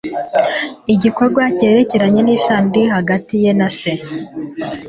igikorwa cyerekeranye n'isano iri hagati ye na Se;